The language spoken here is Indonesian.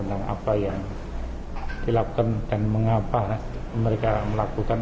tentang apa yang dilakukan dan mengapa mereka melakukan